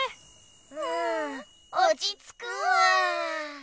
うんおちつくわ。